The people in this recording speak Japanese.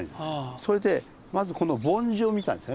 それでまずこの梵字を見たんですよね。